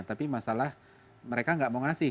tapi masalah mereka nggak mau ngasih